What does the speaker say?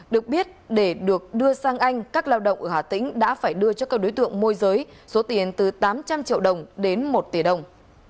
được biết để được đưa sang anh các lao động ở hà tĩnh đã phải đưa cho các đối tượng môi giới số tiền từ tám trăm linh triệu đồng đến một tỷ đồng